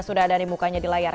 sudah ada nih mukanya di layar